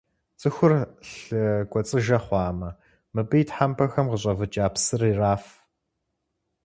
Цӏыхур лъы кӏуэцӏыжэ хъуамэ, мыбы и тхьэмпэхэм къыщӏэвыкӏа псыр ираф.